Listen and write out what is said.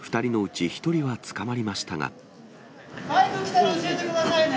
バイク来たら、教えてくださいね。